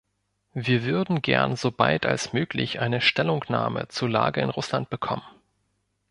Wir würden gern so bald als möglich eine Stellungnahme zur Lage in Russland bekommen.